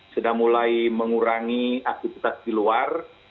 sudah mulai mengurangi aktivitas di luar